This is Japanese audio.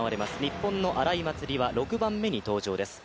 日本の荒井祭里は６番目に登場です。